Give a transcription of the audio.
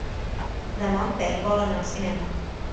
Demà en Pep vol anar al cinema.